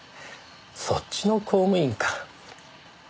そっちの公務員か。